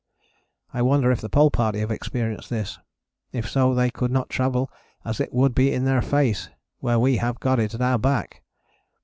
I wonder if the Pole Party have experienced this. If so they could not travel as it would be in their face, where we have got it at our back.